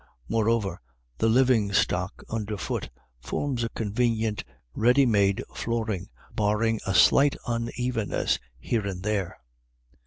More over, the living rock underfoot forms a convenient ready made flooring, barring a slight unevenness here and there.